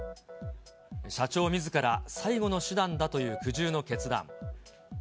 社長みずから最後の手段だという苦渋の決断。